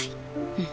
うん。